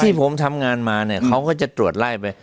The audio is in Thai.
ที่ผมทำงานมาเนี่ยเขาก็จะตรวจไล่ไป